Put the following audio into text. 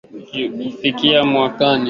kufikia mwaka elfu moja mia tisa na nne